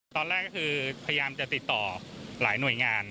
ตอนแรกก็คือพยายามจะติดต่อหลายหน่วยงาน